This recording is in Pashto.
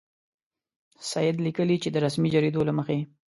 سید لیکي چې د رسمي جریدو له مخې.